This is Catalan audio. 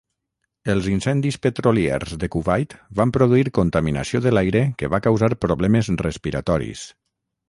Els incendis petroliers de Kuwait van produir contaminació de l'aire que va causar problemes respiratoris.